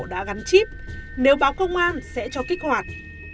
điều đó là nổ đã gắn chip nếu báo công an sẽ cho kích hoạt